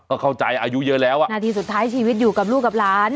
ก็เข้าใจอายุเยอะแล้วอ่ะนาทีสุดท้ายชีวิตอยู่กับลูกกับหลาน